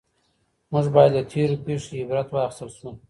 موږ باید له تېرو پېښو عبرت واخیستل سو.